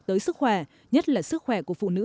tới sức khỏe nhất là sức khỏe của phụ nữ